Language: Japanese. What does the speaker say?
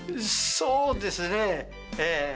そうですね。